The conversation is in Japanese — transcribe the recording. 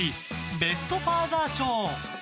ベスト・ファーザー賞。